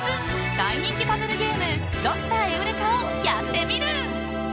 大人気パズルゲームドクターエウレカをやってみる。